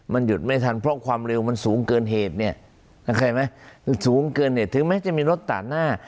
มันหยุดไม่ทันเพราะความเร็วมันสูงเกินเหตุเนี่ยเข้าใจไหมสูงเกินเนี่ยถึงแม้จะมีรถตัดหน้า